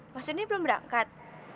mas doni belum berangkat